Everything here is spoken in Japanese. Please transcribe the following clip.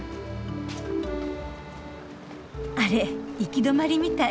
あれ行き止まりみたい。